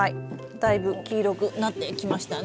だいぶ黄色くなってきましたね。